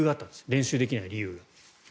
練習できない理由。